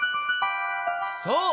そう！